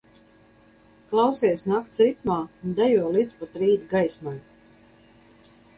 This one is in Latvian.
Klausies nakts ritmā un dejo līdz pat rīta gaismai!